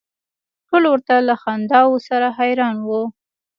ټول ورته له خنداوو سره حیران و.